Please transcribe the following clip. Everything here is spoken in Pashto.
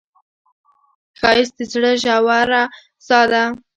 ښایست د زړه ژور ساه ده